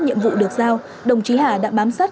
nhiệm vụ được giao đồng chí hà đã bám sát